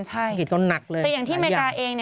แต่อย่างที่เมริกาเอง